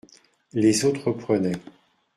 Les autres reprenaient.